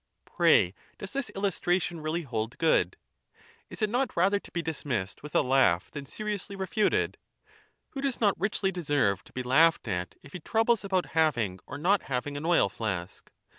Pray d this illustration really hold good ? is it not rather to be dismissed with a laugh than seriously refuted ? Wiio does not richly deserve to be laughed at if he troubles about having or not having an oil flask